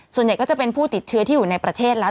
ส่วนใหญ่ก็จะเป็นผู้ติดเชื้อที่อยู่ในประเทศแล้ว